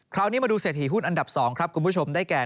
คราวนี้มาดูเศรษฐีหุ้นอันดับ๒ครับคุณผู้ชมได้แก่